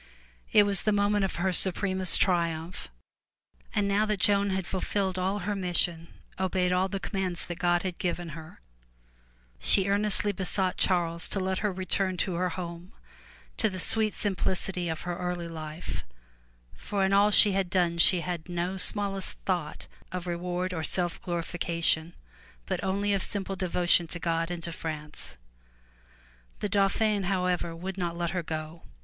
It was the moment of her supremest triumph. And now that Joan had fulfilled all her mis sion, obeyed all the commands that God had given her, she earnestly besought Charles to let her return to her home to the sweet simplicity of her early life, for in all she had done she had no smallest thought of reward or self glorification, but only of simple devotion to God and to France. The Dauphin however would not now let her go.